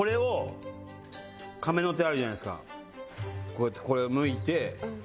こうやってこれをむいて。